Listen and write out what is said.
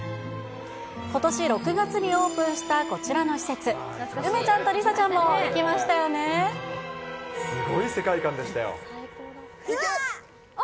ことし６月にオープンしたこちらの施設、梅ちゃんと梨紗ちゃんもすごい世界観でしたよ。